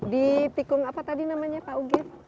di tikung apa tadi namanya pak uget